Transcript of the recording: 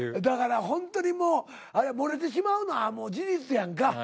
だからほんとにもう漏れてしまうのはもう事実やんか。